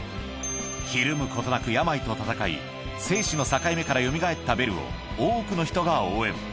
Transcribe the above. ひるむことなく病と闘い生死の境目からよみがえったベルを多くの人が応援